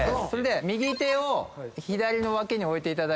右手を左の脇に置いていただいて。